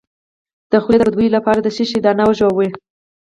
د خولې د بد بوی لپاره د څه شي دانه وژويئ؟